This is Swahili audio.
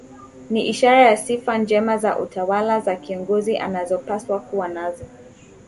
Ni ishara ya sifa njema za utawala za kiongozi anazopaswa kuwa nazo